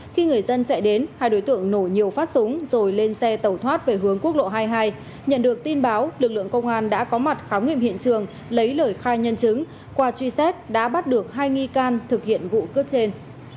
khi người dân chạy đến hai đối tượng nổ nhiều phát súng rồi lên xe tẩu thoát về hướng quốc lộ hai mươi hai nhận được tin báo lực lượng công an đã có mặt khám nghiệm hiện trường lấy lời khai nhân chứng qua truy xét đã bắt được hai nghi can thực hiện vụ cướp trên